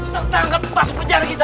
tertangkap pas pejara kita